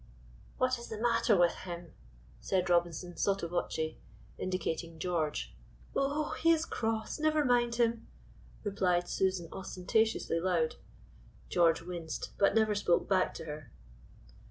"What is the matter with him?" said Robinson, sotto voce, indicating George. "Oh! he is cross, never mind him," replied Susan ostentatiously loud. George winced, but never spoke back to her.